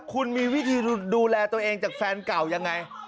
คุณมีวิธีดูแลตัวเองจากแฟนเก่ายังไง